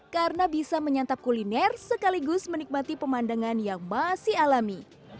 karena bisa menyantap kuliner sekaligus menikmati pemandangan yang masih alami